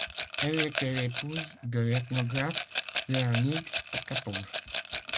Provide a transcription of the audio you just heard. Elle était l'épouse de l'ethnographe Leonid Potapov.